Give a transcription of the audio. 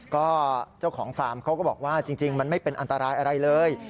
ก็เจ้าของฟาร์มเขาก็บอกว่าจริงมันไม่เป็นอันตรายอะไรเลย